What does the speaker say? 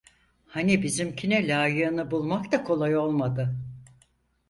Hani bizimkine layığını bulmak da kolay olmadı.